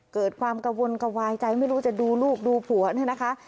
เกิดความกระวนกระวายใจไม่รู้จะดูลูกดูผัวเนี่ยนะคะ